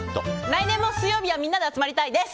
来年も水曜日はみんなで集まりたいです。